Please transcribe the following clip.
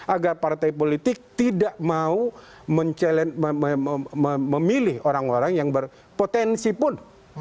agar partai politik tidak mau memilih orang orang yang berpotensi pun